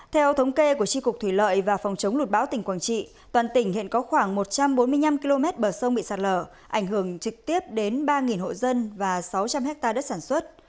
theo thống kê của tri cục thủy lợi và phòng chống lụt bão tỉnh quảng trị toàn tỉnh hiện có khoảng một trăm bốn mươi năm km bờ sông bị sạt lở ảnh hưởng trực tiếp đến ba hộ dân và sáu trăm linh hectare đất sản xuất